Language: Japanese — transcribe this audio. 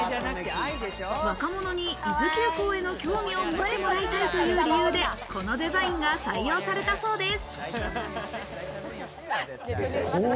若者に伊豆急行への興味を持ってもらいたいという理由で、このデザインが採用されたそうです。